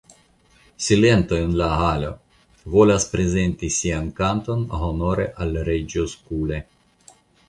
Silento en la Halo; volas prezenti sian kanton honore al reĝo Skule.